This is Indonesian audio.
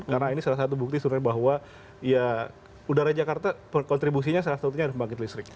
karena ini salah satu bukti bahwa udara jakarta kontribusinya salah satunya adalah pembangkit listrik